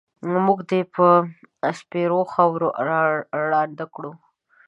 مونږ دې په سپېرو خاورو ړانده کړو